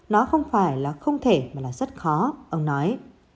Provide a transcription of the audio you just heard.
nó không phải là không thể mà là rất khó ông nói